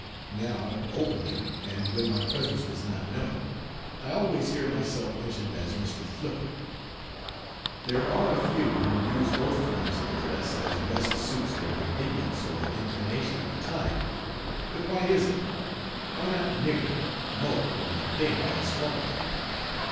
Now openly, and when my presence was not known, I always hear myself mentioned as Mr. Flipper. There are a few who use both forms of address as best suits their convenience or inclination at the time. But why is it? Why not "nigger," "moke," or "thing" as formerly?